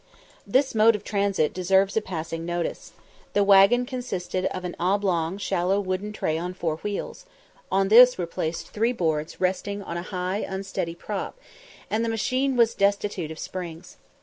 This mode of transit deserves a passing notice. The waggon consisted of an oblong shallow wooden tray on four wheels; on this were placed three boards resting on high unsteady props, and the machine was destitute of springs.